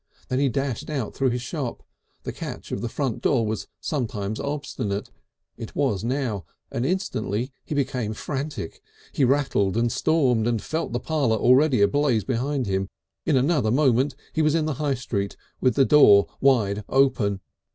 Then he dashed out through his shop. The catch of the front door was sometimes obstinate; it was now, and instantly he became frantic. He rattled and stormed and felt the parlour already ablaze behind him. In another moment he was in the High Street with the door wide open.